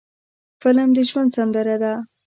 فلم د ژوند سندره ده